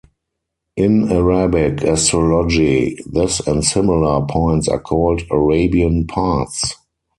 In Arabic astrology, this and similar points are called Arabian Parts.